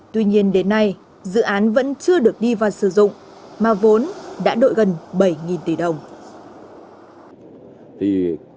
tuy nhiên đến nay dự án vẫn chưa được đi vào sử dụng mà vốn đã đội gần bảy tỷ đồng